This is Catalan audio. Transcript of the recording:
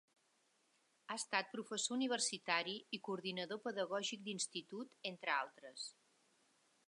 Ha estat professor universitari i coordinador pedagògic d’institut, entre altres.